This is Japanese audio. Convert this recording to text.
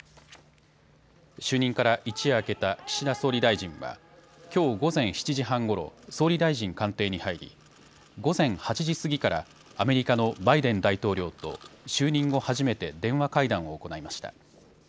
就任から一夜明けた岸田総理大臣はきょう午前７時半ごろ、総理大臣官邸に入り午前８時過ぎからアメリカのバイデン大統領と就任後初めて電話会談を行いました。